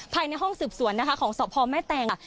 ภายในห้องสืบสวนของสอบภอมแม่แตง